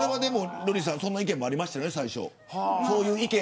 瑠麗さん、そういう意見もありましたよね、最初。